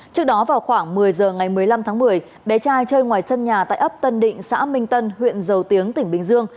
trước đó vào khoảng một mươi giờ ngày một mươi năm tháng một mươi bé trai chơi ngoài sân nhà tại ấp tân định xã minh tân huyện dầu tiếng tỉnh bình dương